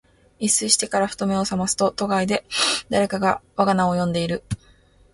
一睡してから、ふと眼めを覚ますと、戸外で誰かが我が名を呼んでいる。